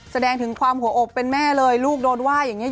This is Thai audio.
แสดงถึงความหัวอกเป็นแม่เลยลูกโดนว่าอย่างนี้